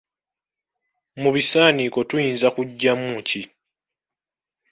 Mu bisaniiko tuyinza kuggyamu ki?